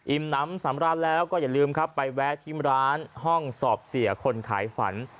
น้ำสำราญแล้วก็อย่าลืมครับไปแวะที่ร้านห้องสอบเสียคนขายฝัน